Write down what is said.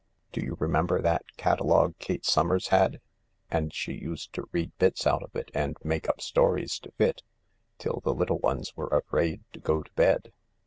Do you remember that catalogufe Kate Somers had ? And she used to read bits out of it and make up stories to fit, till the little ones were afraid to go to bed.